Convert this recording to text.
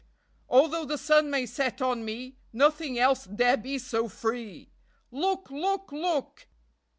Although the sun may set on me, Nothing else dare be so free! Look! Look! Look!